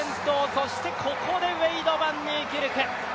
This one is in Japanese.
そしてここでウェイド・バンニーキルク。